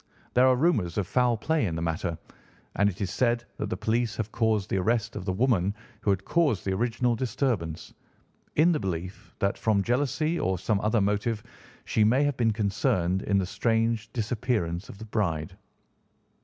There are rumours of foul play in the matter, and it is said that the police have caused the arrest of the woman who had caused the original disturbance, in the belief that, from jealousy or some other motive, she may have been concerned in the strange disappearance of the bride.